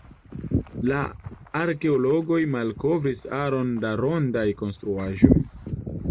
La arkeologoj malkovris aron da rondaj konstruaĵoj.